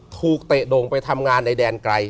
เตะโด่งไปทำงานในแดนไกล